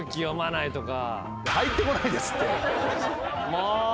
もう！